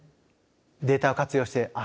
データを活用してあっ